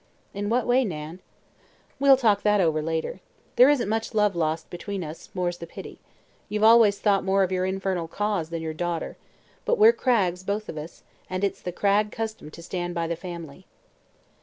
"In what way, Nan?" "We'll talk that over later. There isn't much love lost between us, more's the pity. You've always thought more of your infernal 'Cause' than of your daughter. But we're Craggs, both of us, and it's the Cragg custom to stand by the family."